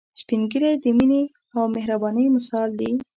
سپین ږیری د مينه او مهربانۍ مثال دي